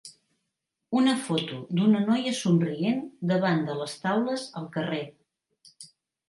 Una foto d'una noia somrient davant de les taules al carrer.